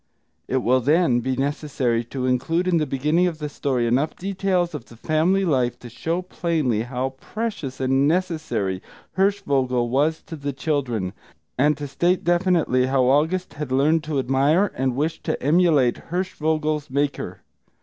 It will, then, be necessary to include in the beginning of the story enough details of the family life to show plainly how precious and necessary Hirschvogel was to the children; and to state definitely how August had learned to admire and wish to emulate Hirschvogel's maker.